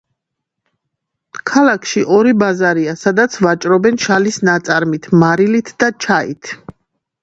ქალაქში ორი ბაზარია სადაც ვაჭრობენ შალის ნაწარმით, მარილით და ჩაით.